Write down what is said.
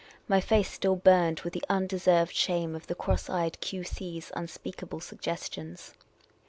My face still burned with the undeserved shame of the cross eyed Q. C.'s unspeakable suggestions.